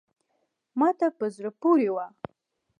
ما ته په زړه پوري وه …